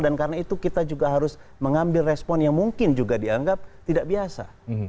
dan karena itu kita juga harus mengambil respon yang mungkin juga dianggap tidak biasa